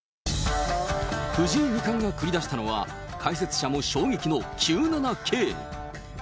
藤井二冠が繰り出したのは、解説者も衝撃の９七桂。